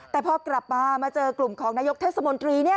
แต่พอกลับมาเจอกลุ่มของนายกเทศมณ์กรีนี้